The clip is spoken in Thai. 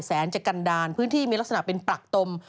แสนจะกันดาลพื้นที่มีลักษณะเป็นปรักตม